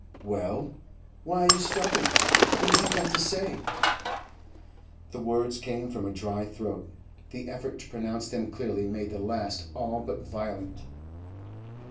'Well? Why are you stopping? What have you got to say?' The words came from a dry throat; the effort to pronounce them clearly made the last all but violent.